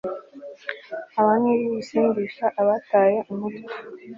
Abanywi bibisindisha abataye umutwe